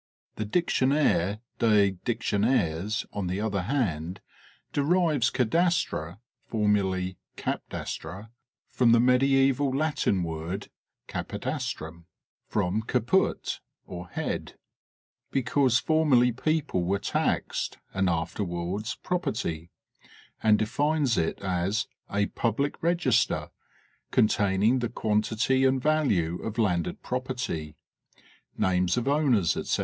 The Dictionaire des Dictionaires on the other hand derives cadastre (formerly capdastre) from the medizval Latin word capitastrum (from caput "head," because formerly people were taxed, and afterwards property) and defines it as "a public regis ter, containing the quantity and value of landed property, names of owners, etc.